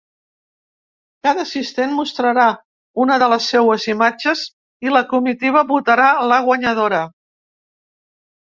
Cada assistent mostrarà una de les seues imatges i la comitiva votarà la guanyadora.